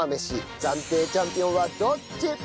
暫定チャンピオンはどっち！？